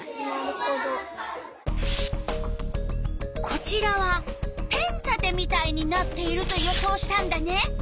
こちらはペン立てみたいになっていると予想したんだね。